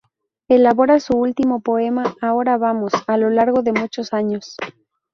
Elabora su último poema, "Ahora vamos" a lo largo de muchos años.